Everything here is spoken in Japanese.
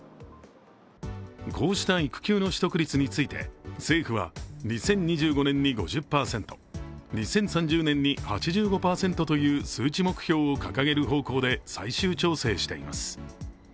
こうした育休の取得率について政府は２０２５年度に５０％、２０３０年に８５％という数値目標を掲げる方向で最終調整しています。